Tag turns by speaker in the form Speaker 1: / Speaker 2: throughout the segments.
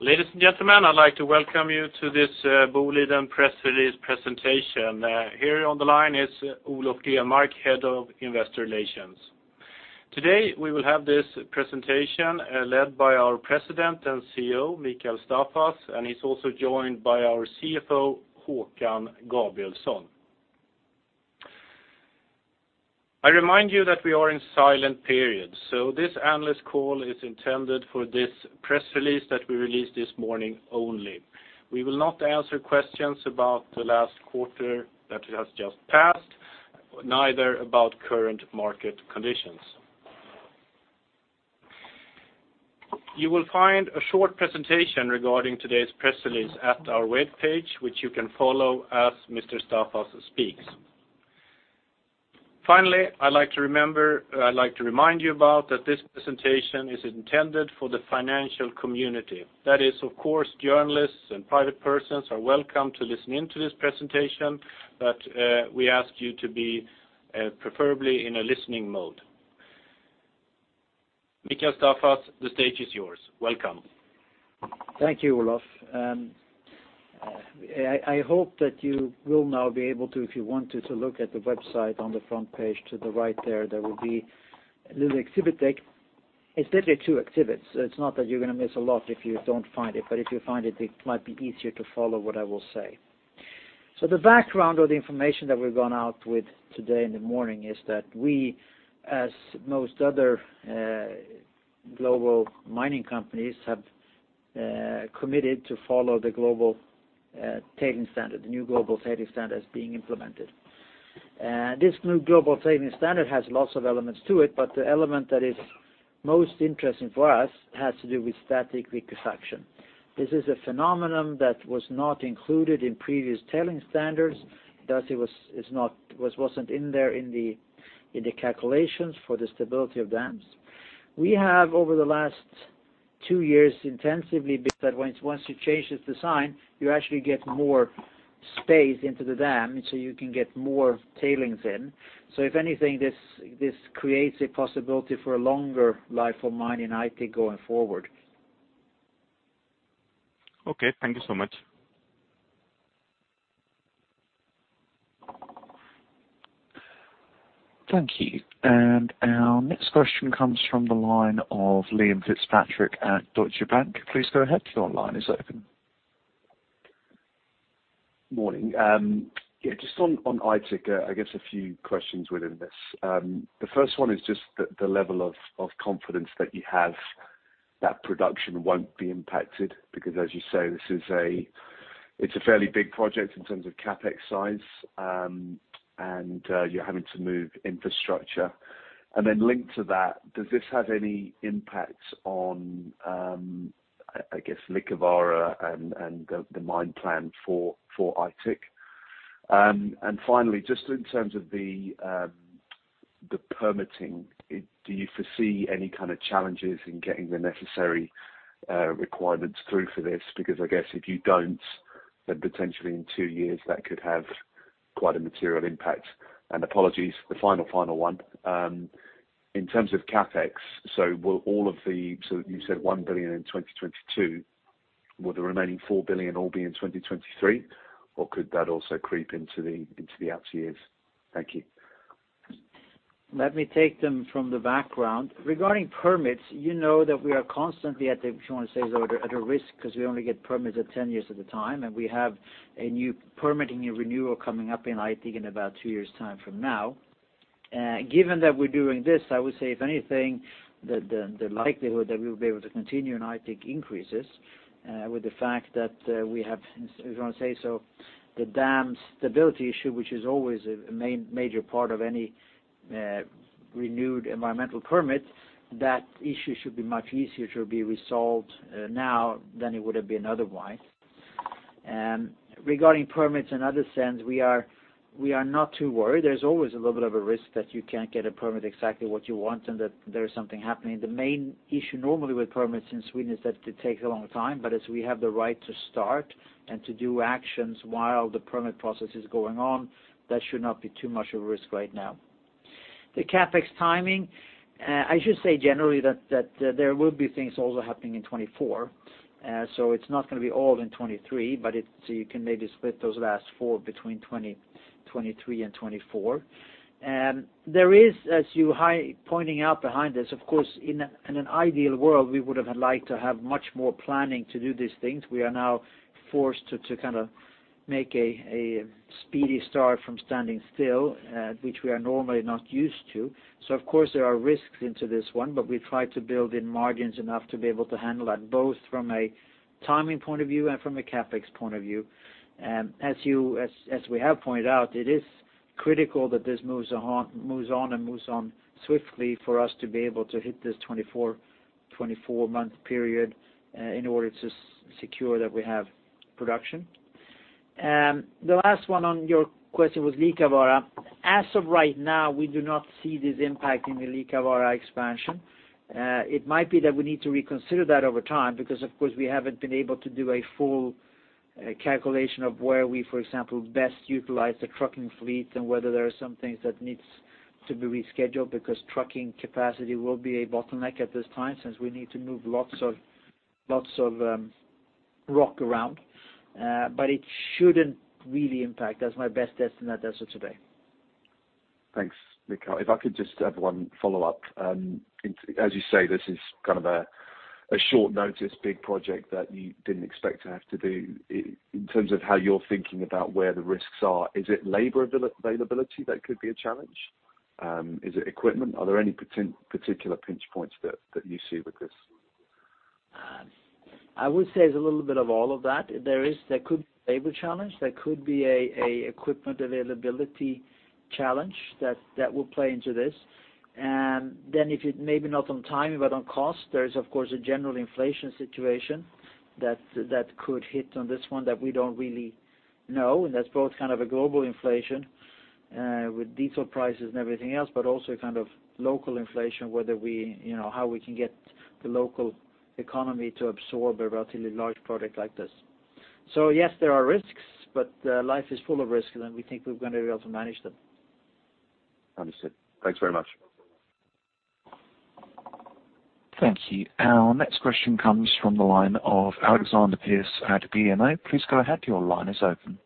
Speaker 1: Ladies and gentlemen, I'd like to welcome you to this Boliden Press Release Presentation. Here on the line is Olof Grenmark, Head of Investor Relations. Today, we will have this presentation led by our President and CEO, Mikael Staffas, and he's also joined by our CFO, Håkan Gabrielsson. I remind you that we are in silent period, so this analyst call is intended for this press release that we released this morning only. We will not answer questions about the last quarter that has just passed, neither about current market conditions. You will find a short presentation regarding today's press release at our webpage, which you can follow as Mr. Staffas speaks. Finally, I'd like to remind you about that this presentation is intended for the financial community. That is, of course, journalists and private persons are welcome to listen in to this presentation, but we ask you to be preferably in a listening mode. Mikael Staffas, the stage is yours. Welcome.
Speaker 2: Thank you, Olof. I hope that you will now be able to, if you want to, look at the website on the front page to the right there. There will be a little exhibit deck. It's literally two exhibits, so it's not that you're gonna miss a lot if you don't find it, but if you find it might be easier to follow what I will say. The background or the information that we've gone out with today in the morning is that we, as most other global mining companies, have committed to follow the global tailings standard, the new global tailings standards being implemented. This new global tailings standard has lots of elements to it, but the element that is most interesting for us has to do with Static liquefaction. This is a phenomenon that was not included in previous tailings standards, thus it wasn't in the calculations for the stability of dams. We have over the last two years intensively.
Speaker 1: Okay. Thank you so much.
Speaker 3: Thank you. Our next question comes from the line of Liam Fitzpatrick at Deutsche Bank. Please go ahead, your line is open.
Speaker 4: Morning. Yeah, just on Aitik, I guess a few questions within this. The first one is just the level of confidence that you have that production won't be impacted. Because as you say, this is a fairly big project in terms of CapEx size, and you're having to move infrastructure. Then linked to that, does this have any impact on, I guess, Likavara and the mine plan for Aitik? And finally, just in terms of the permitting, do you foresee any kind of challenges in getting the necessary requirements through for this? Because I guess if you don't, then potentially in two years that could have quite a material impact. Apologies, the final one. In terms of CapEx, so you said 1 billion in 2022, will the remaining 4 billion all be in 2023, or could that also creep into the out years? Thank you.
Speaker 2: Let me take them from the background. Regarding permits, you know that we are constantly at a risk, if you want to say so, because we only get permits at 10 years at a time, and we have a new permitting renewal coming up in Aitik in about two years time from now. Given that we're doing this, I would say if anything, the likelihood that we will be able to continue in Aitik increases with the fact that we have, if you want to say so, the dam stability issue, which is always a main, major part of any renewed environmental permit. That issue should be much easier to be resolved now than it would have been otherwise. Regarding permits in other sense, we are not too worried. There's always a little bit of a risk that you can't get a permit exactly what you want and that there is something happening. The main issue normally with permits in Sweden is that it takes a long time. As we have the right to start and to do actions while the permit process is going on, that should not be too much of a risk right now. The CapEx timing, I should say generally that there will be things also happening in 2024. So it's not gonna be all in 2023, but it's, you can maybe split those last four between 2023 and 2024. There is, as you highlighted pointing out behind this, of course, in an ideal world, we would have liked to have much more planning to do these things. We are now forced to kind of make a speedy start from standing still, which we are normally not used to. Of course, there are risks into this one, but we try to build in margins enough to be able to handle that, both from a timing point of view and from a CapEx point of view. As we have pointed out, it is critical that this moves on swiftly for us to be able to hit this 24-month period in order to secure that we have production. The last one on your question was Likavara. As of right now, we do not see this impacting the Likavara expansion. It might be that we need to reconsider that over time because, of course, we haven't been able to do a full calculation of where we, for example, best utilize the trucking fleet and whether there are some things that needs to be rescheduled because trucking capacity will be a bottleneck at this time, since we need to move lots of rock around. It shouldn't really impact. That's my best estimate as of today.
Speaker 4: Thanks, Mikael. If I could just have one follow-up. As you say, this is kind of a short notice, big project that you didn't expect to have to do. In terms of how you're thinking about where the risks are, is it labor availability that could be a challenge? Is it equipment? Are there any particular pinch points that you see with this?
Speaker 2: I would say it's a little bit of all of that. There could be a labor challenge, there could be an equipment availability challenge that will play into this. Maybe not on time, but on cost, there is, of course, a general inflation situation that could hit on this one that we don't really know. That's both kind of a global inflation with diesel prices and everything else, but also kind of local inflation, whether we, you know, how we can get the local economy to absorb a relatively large product like this. Yes, there are risks, but life is full of risk, and we think we're gonna be able to manage them.
Speaker 4: Understood. Thanks very much.
Speaker 3: Thank you. Our next question comes from the line of Alexander Pearce at BMO. Please go ahead, your line is open.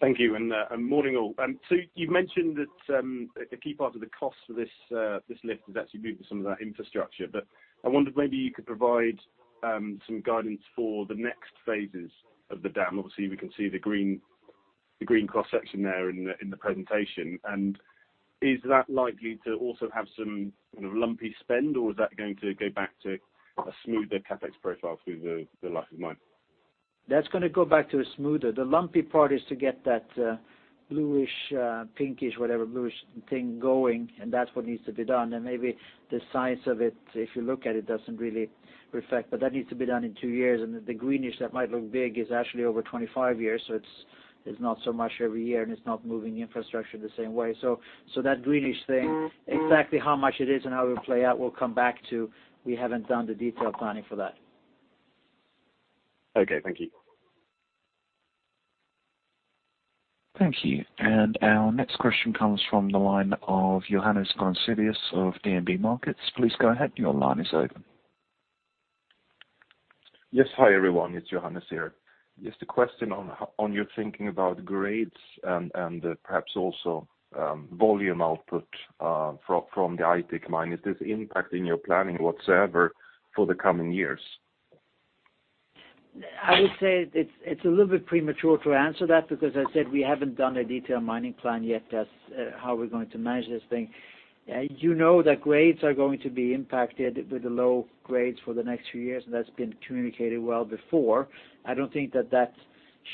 Speaker 5: Thank you and morning all. You've mentioned that a key part of the cost for this lift is actually due to some of that infrastructure. I wondered maybe you could provide some guidance for the next phases of the dam. Obviously, we can see the green cross-section there in the presentation. Is that likely to also have some kind of lumpy spend, or is that going to go back to a smoother CapEx profile through the life of mine?
Speaker 2: That's gonna go back to a smoother. The lumpy part is to get that, bluish, pinkish, whatever, bluish thing going, and that's what needs to be done. Maybe the size of it, if you look at it, doesn't really reflect, but that needs to be done in two years. The greenish that might look big is actually over 25 years, so it's not so much every year, and it's not moving infrastructure the same way. That greenish thing, exactly how much it is and how it will play out, we'll come back to. We haven't done the detailed planning for that.
Speaker 5: Okay, thank you.
Speaker 3: Thank you. Our next question comes from the line of Johannes Grunselius of DNB Markets. Please go ahead, your line is open.
Speaker 6: Yes, hi, everyone, it's Johannes here. Just a question on your thinking about grades and perhaps also volume output from the Aitik mine. Is this impacting your planning whatsoever for the coming years?
Speaker 2: I would say it's a little bit premature to answer that because I said we haven't done a detailed mining plan yet as how we're going to manage this thing. You know that grades are going to be impacted with the low grades for the next few years, and that's been communicated well before. I don't think that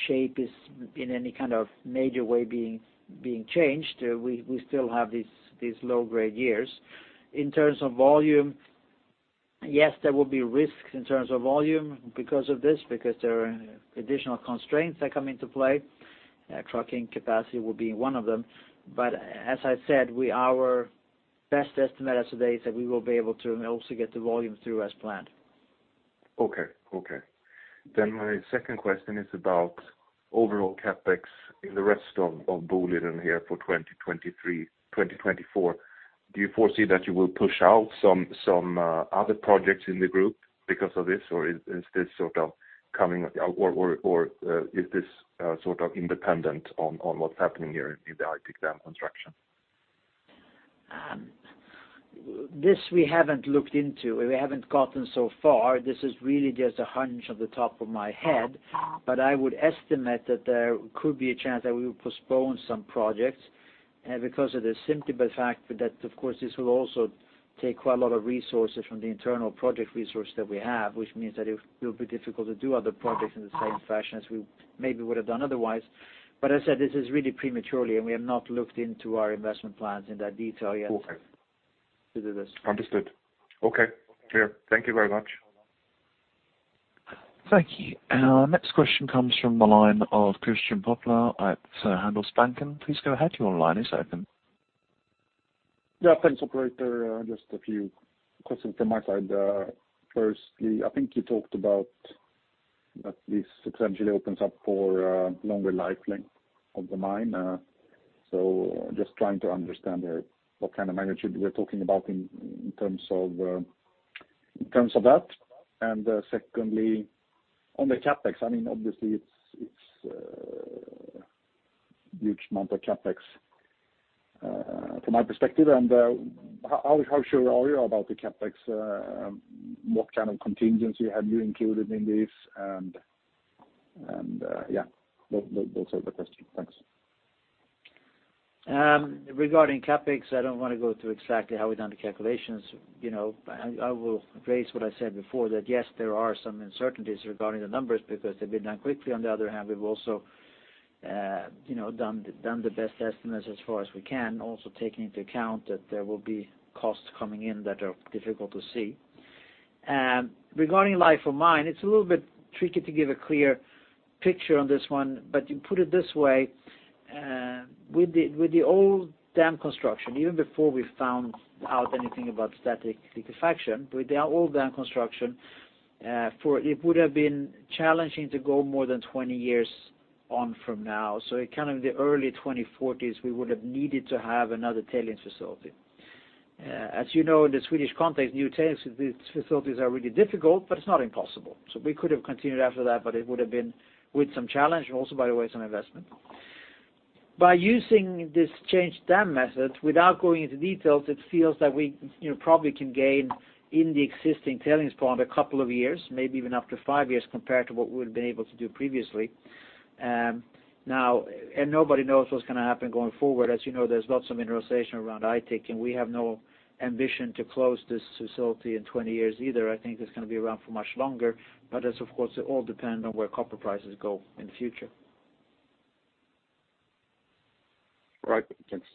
Speaker 2: shape is in any kind of major way being changed. We still have these low-grade years. In terms of volume, yes, there will be risks in terms of volume because of this, because there are additional constraints that come into play. Trucking capacity will be one of them. But as I said, our best estimate as of today is that we will be able to also get the volume through as planned.
Speaker 6: My second question is about overall CapEx in the rest of Boliden here for 2023, 2024. Do you foresee that you will push out some other projects in the group because of this? Or is this sort of independent on what's happening here in the Aitik dam construction?
Speaker 2: This we haven't looked into. We haven't gotten so far. This is really just a hunch at the top of my head. I would estimate that there could be a chance that we would postpone some projects, because of the simple fact that, of course, this will also take quite a lot of resources from the internal project resource that we have, which means that it will be difficult to do other projects in the same fashion as we maybe would have done otherwise. As I said, this is really prematurely, and we have not looked into our investment plans in that detail yet to do this.
Speaker 6: Understood. Okay. Clear. Thank you very much.
Speaker 3: Thank you. Our next question comes from the line of Christian Kopfer at Handelsbanken. Please go ahead, your line is open.
Speaker 7: Yeah. Thanks, operator. Just a few questions from my side. Firstly, I think you talked about that this substantially opens up for longer life length of the mine. So just trying to understand there what kind of magnitude we're talking about in terms of that. Secondly, on the CapEx, I mean, obviously it's huge amount of CapEx from my perspective. How sure are you about the CapEx? What kind of contingency have you included in this? Yeah, those are the question. Thanks.
Speaker 2: Regarding CapEx, I don't wanna go through exactly how we've done the calculations. You know, I will phrase what I said before that, yes, there are some uncertainties regarding the numbers because they've been done quickly. On the other hand, we've also you know, done the best estimates as far as we can, also taking into account that there will be costs coming in that are difficult to see. Regarding life of mine, it's a little bit tricky to give a clear picture on this one, but you put it this way, with the old dam construction, even before we found out anything about Static liquefaction, with the old dam construction, for it would have been challenging to go more than 20 years on from now. In kind of the early 2040s, we would have needed to have another tailings facility. As you know, in the Swedish context, new tailings facilities are really difficult, but it's not impossible. We could have continued after that, but it would have been with some challenge and also by the way, some investment. By using this Centreline dam method, without going into details, it feels that we, you know, probably can gain in the existing tailings pond a couple of years, maybe even up to five years compared to what we would have been able to do previously. Now, nobody knows what's gonna happen going forward. As you know, there's lots of mineralization around Aitik, and we have no ambition to close this facility in 20 years either. I think it's gonna be around for much longer, but that's, of course, it all depend on where copper prices go in the future.
Speaker 7: Right. Thanks.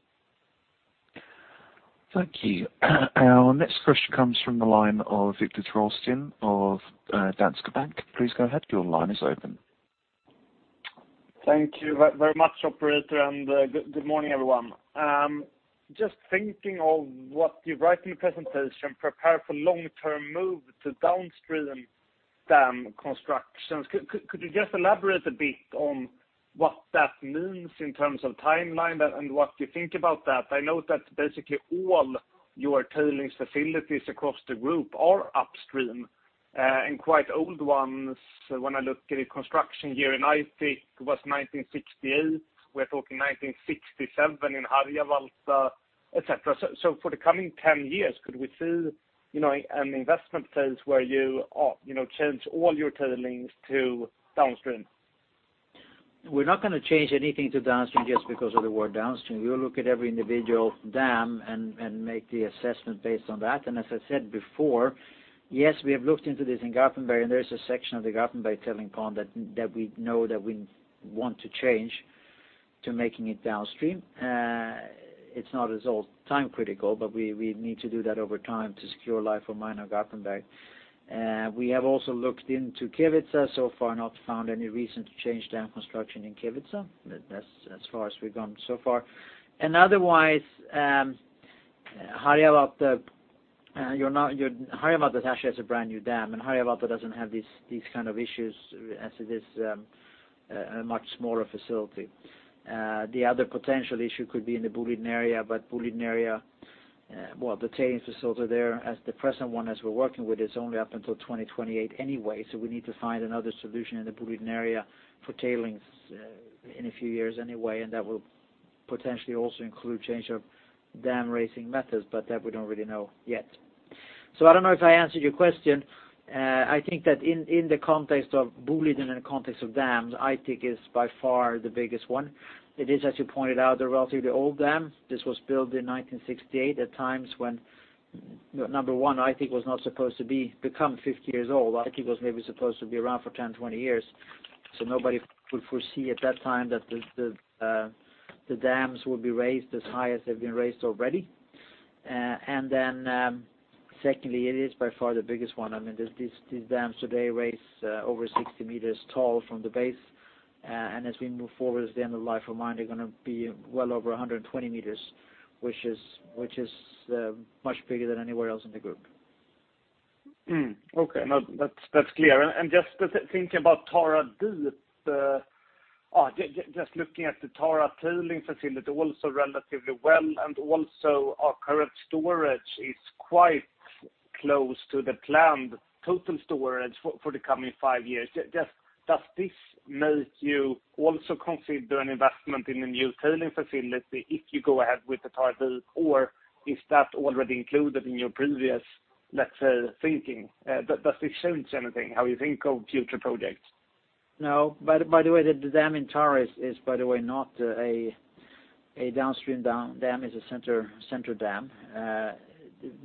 Speaker 3: Thank you. Our next question comes from the line of Viktor Trollsten of Danske Bank. Please go ahead. Your line is open.
Speaker 8: Thank you very much, operator, and good morning, everyone. Just thinking of what you write in the presentation, prepare for long-term move to Downstream dam constructions. Could you just elaborate a bit on what that means in terms of timeline and what you think about that? I know that basically all your tailings facilities across the group are Upstream and quite old ones. When I look at a construction year in Aitik, it was 1968. We're talking 1967 in Harjavalta, et cetera. For the coming 10 years, could we see an investment phase where you change all your tailings to Downstream?
Speaker 2: We're not gonna change anything to Downstream just because of the word Downstream. We will look at every individual dam and make the assessment based on that. As I said before, yes, we have looked into this in Garpenberg, and there is a section of the Garpenberg tailings pond that we know that we want to change to making it Downstream. It's not all-time critical, but we need to do that over time to secure life of mine on Garpenberg. We have also looked into Kevitsa, so far not found any reason to change dam construction in Kevitsa, as far as we've gone so far. Otherwise, Harjavalta actually has a brand-new dam, and Harjavalta doesn't have these kind of issues as it is, a much smaller facility. The other potential issue could be in the Boliden area, the tailings facility there as the present one as we're working with is only up until 2028 anyway, so we need to find another solution in the Boliden area for tailings in a few years anyway, and that will potentially also include change of dam raising methods, but that we don't really know yet. I don't know if I answered your question. I think that in the context of Boliden and the context of dams, Aitik is by far the biggest one. It is, as you pointed out, a relatively old dam. This was built in 1968 at times when, number one, Aitik was not supposed to become 50 years old. Aitik was maybe supposed to be around for 10, 20 years, so nobody could foresee at that time that the dams would be raised as high as they've been raised already. Secondly, it is by far the biggest one. I mean, these dams today raise over 60 meters tall from the base, and as we move forward at the end of life of mine, they're gonna be well over 120 meters, which is much bigger than anywhere else in the group.
Speaker 8: Okay. No, that's clear. Just thinking about Tara Deep, just looking at the Tara Tailings facility, also relatively well, and also our current storage is quite close to the planned total storage for the coming five years. Just does this make you also consider an investment in a new tailings facility if you go ahead with the Tara Deep? Or is that already included in your previous, let's say, thinking? Does this change anything, how you think of future projects?
Speaker 2: No. By the way, the dam in Tara is, by the way, not a downstream dam. It's a Centreline dam.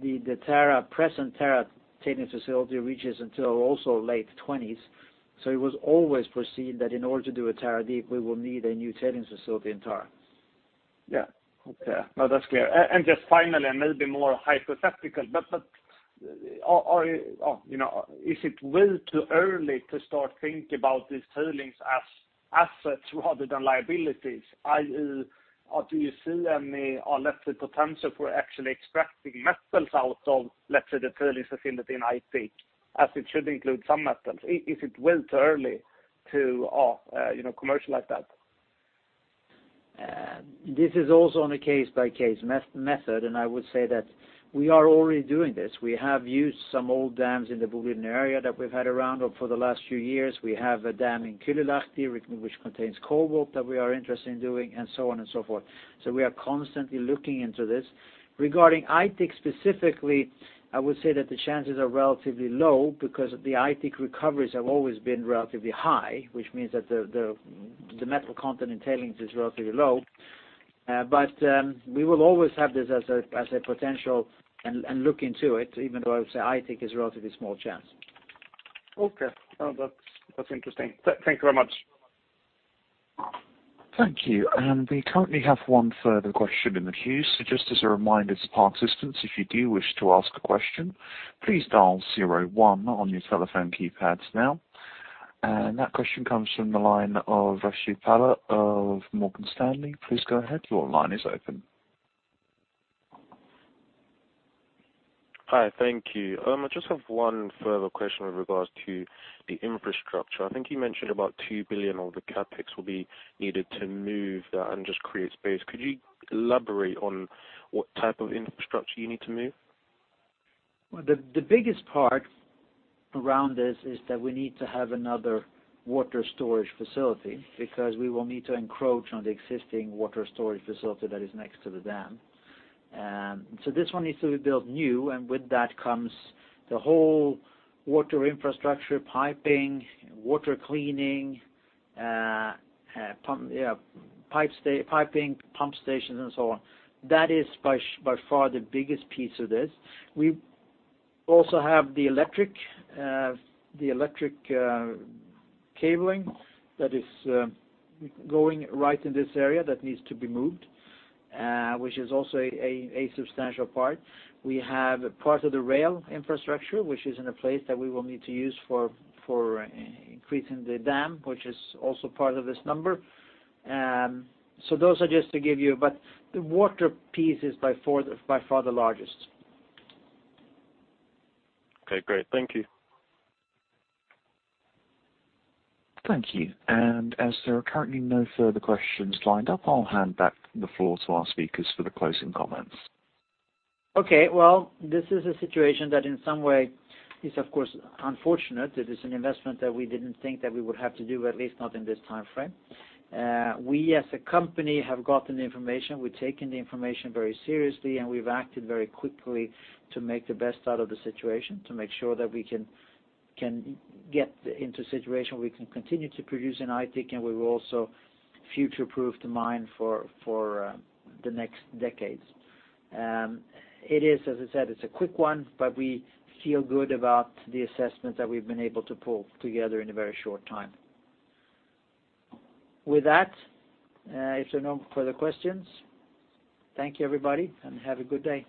Speaker 2: The present Tara tailings facility reaches until the late 20s. It was always perceived that in order to do a Tara Deep, we will need a new tailings facility in Tara.
Speaker 8: Yeah. Okay. No, that's clear. Just finally, maybe more hypothetical, but are you know, is it way too early to start think about these tailings as assets rather than liabilities? I or do you see any, or let's say, potential for actually extracting metals out of, let's say, the tailings facility in Aitik, as it should include some metals? Is it way too early to you know, commercialize that?
Speaker 2: This is also on a case-by-case method, and I would say that we are already doing this. We have used some old dams in the Boliden area that we've had around for the last few years. We have a dam in Kylylahti which contains cobalt that we are interested in doing, and so on and so forth. We are constantly looking into this. Regarding Aitik specifically, I would say that the chances are relatively low because the Aitik recoveries have always been relatively high, which means that the metal content in tailings is relatively low. We will always have this as a potential and look into it, even though I would say Aitik is a relatively small chance.
Speaker 8: Okay. No, that's interesting. Thank you very much.
Speaker 3: Thank you. We currently have one further question in the queue. Just as a reminder to participants, if you do wish to ask a question, please dial zero one on your telephone keypads now. That question comes from the line of Alain Gabriel of Morgan Stanley. Please go ahead. Your line is open.
Speaker 9: Hi, thank you. I just have one further question with regards to the infrastructure. I think you mentioned about 2 billion of the CapEx will be needed to move that and just create space. Could you elaborate on what type of infrastructure you need to move?
Speaker 2: Well, the biggest part around this is that we need to have another water storage facility because we will need to encroach on the existing water storage facility that is next to the dam. This one needs to be built new, and with that comes the whole water infrastructure, piping, water cleaning, pump Stations and so on. That is by far the biggest piece of this. We also have the electric cabling that is going right in this area that needs to be moved, which is also a substantial part. We have part of the rail infrastructure, which is in a place that we will need to use for increasing the dam, which is also part of this number. Those are just to give you, but the water piece is by far the largest.
Speaker 9: Okay, great. Thank you.
Speaker 3: Thank you. As there are currently no further questions lined up, I'll hand back the floor to our speakers for the closing comments.
Speaker 2: Okay. Well, this is a situation that in some way is of course unfortunate. It is an investment that we didn't think that we would have to do, at least not in this timeframe. We as a company have gotten the information. We've taken the information very seriously, and we've acted very quickly to make the best out of the situation, to make sure that we can get into a situation where we can continue to produce in Aitik, and we will also future-proof the mine for the next decades. It is, as I said, it's a quick one, but we feel good about the assessment that we've been able to pull together in a very short time. With that, if there are no further questions, thank you, everybody, and have a good day.